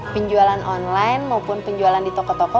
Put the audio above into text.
penjualan online maupun penjualan di toko toko